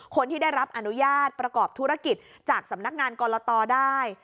คนที่ได้รับอนุญาตประกอบธุรกิจจากสำนักงานกรตได้